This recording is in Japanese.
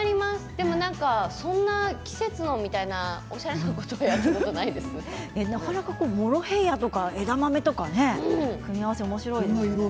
でもそんな季節のみたいなおしゃれなことはなかなかモロヘイヤとか枝豆とかね、組み合わせおもしろいですね。